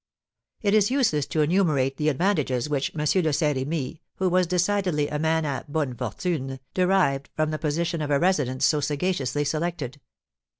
It is useless to enumerate the advantages which M. de Saint Remy, who was decidedly a man à bonnes fortunes, derived from the position of a residence so sagaciously selected.